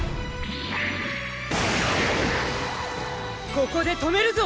ここで止めるぞ！